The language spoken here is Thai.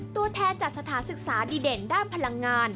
ตัวแทนจากสถานศึกษาดีเด่นด้านพลังงาน